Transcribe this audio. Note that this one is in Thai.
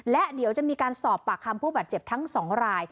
และเดี๋ยวจะมีการสอบปากคำผู้บาดเจ็บทั้ง๒ราย